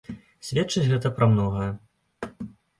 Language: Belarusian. Сведчыць гэта пра многае.